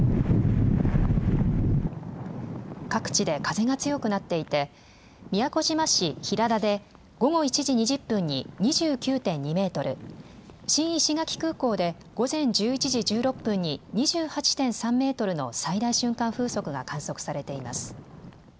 各地で風が強くなっていて宮古島市平良で午後１時２０分に２９．２メートル、新石垣空港で午前１１時１６分に２８．３メートルの最大瞬間風速が観測されています。